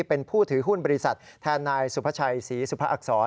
เป็นผู้ถือหุ้นบริษัทแทนนายสุภาชัยศรีสุภาอักษร